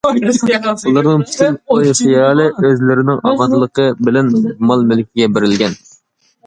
ئۇلارنىڭ پۈتۈن ئوي-خىيالى ئۆزلىرىنىڭ ئامانلىقى بىلەن مال-مۈلكىگە بېرىلگەن.